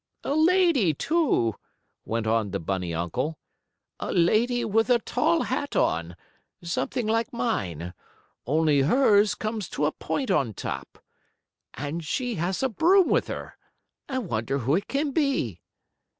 "A lady, too," went on the bunny uncle. "A lady with a tall hat on, something like mine, only hers comes to a point on top. And she has a broom with her. I wonder who it can be?"